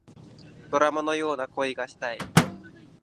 ドラマのような恋がしたい